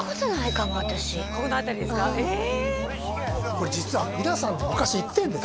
これ実は「みなさん」で昔行ってるんです